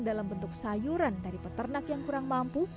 dalam bentuk sayuran dari peternak yang kurang mampu